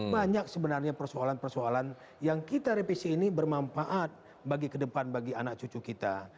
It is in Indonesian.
banyak sebenarnya persoalan persoalan yang kita revisi ini bermanfaat bagi ke depan bagi anak cucu kita